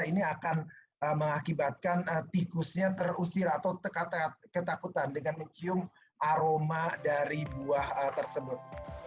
ini akan mengakibatkan tikusnya terusir atau ketakutan dengan mencium aroma dari buah tersebut